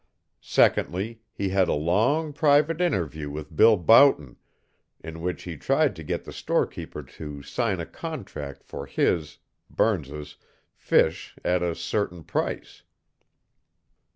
Secondly, he had a long private interview with Bill Boughton, in which he tried to get the storekeeper to sign a contract for his (Burns's) fish at a certain price.